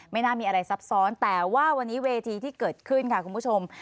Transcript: น่ามีอะไรซับซ้อนแต่ว่าวันนี้เวทีที่เกิดขึ้นค่ะคุณผู้ชม